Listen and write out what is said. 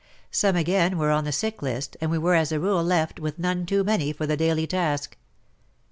Some again were on the sick list, and we were as a rule left with none too many for the daily task.